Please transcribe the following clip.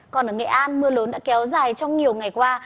còn ở nghệ an mưa lớn đã kéo dài trong nhiều ngày qua